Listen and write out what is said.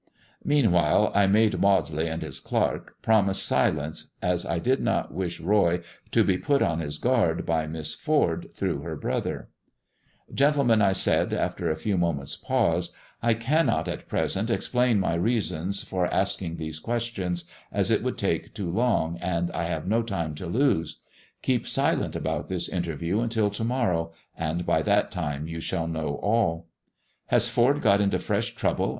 Meanwhile I made Maudsley and hia clerk promise silence, as I did not wish lioy to be put on his guard by Miss Ford, through her brother. 264 THE GREEN STONE GOD AND THE STOCKBROKER " Gentlemen," I said, after a few moments' pause, " I can not at present explain my reasons for asking these questions, as it would take too long, and I have no time to lose. Keep silent about this interview till to morrow, and by that time you shall know all." "Has Ford got into fresh trouble?"